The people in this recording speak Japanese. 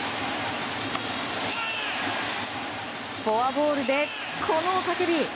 フォアボールでこの雄たけび。